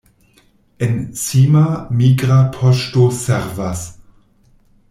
En Sima migra poŝto servas.